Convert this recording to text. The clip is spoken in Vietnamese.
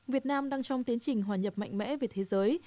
việt nam đang trong tiến trình hòa nhập mạnh mẽ về thế giới